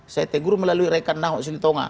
sete guru melalui rekan nahok silitonga